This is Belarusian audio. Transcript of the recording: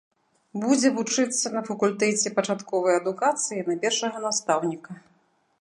Будзе вучыцца на факультэце пачатковай адукацыі на першага настаўніка.